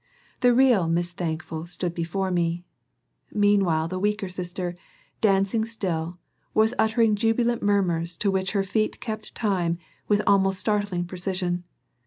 The real Miss Thankful stood before me. Meanwhile the weaker sister, dancing still, was uttering jubilant murmurs to which her feet kept time with almost startling precision.